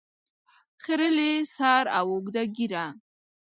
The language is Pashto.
خریلي سر او اوږده ږیره